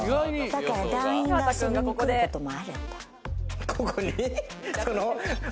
だから団員が遊びに来ることもあるんだ。